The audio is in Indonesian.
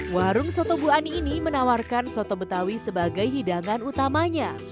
warung soto bu ani ini menawarkan soto betawi sebagai hidangan utamanya